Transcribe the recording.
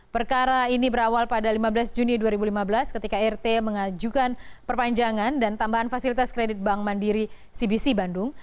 perkara ini berawal pada lima belas juni dua ribu lima belas ketika rt mengajukan perpanjangan dan tambahan fasilitas kredit bank mandiri cbc bandung